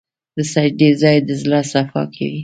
د سجدې ځای د زړه صفا کوي.